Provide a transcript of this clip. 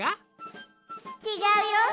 ちがうよ。